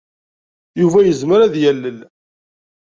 Yuba yezmer ad yalel.